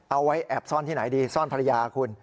เอาไว้แอบซ่อนที่ไหนดีซ่อนภรรยาคุณ